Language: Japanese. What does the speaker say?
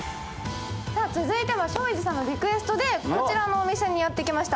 続いての松陰寺さんのリクエストでこちらのお店にやってきました。